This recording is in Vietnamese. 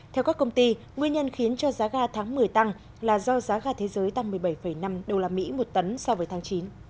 theo các công ty nguyên nhân khiến cho giá ga tháng một mươi tăng là do giá ga thế giới tăng một mươi bảy năm usd một tấn so với tháng chín